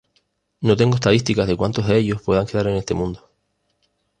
No tengo estadísticas de cuantos de ellos puedan quedar en este mundo